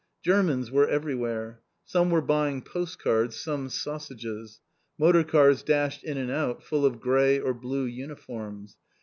Germans were everywhere. Some were buying postcards, some sausages. Motor cars dashed in and out full of grey or blue uniforms.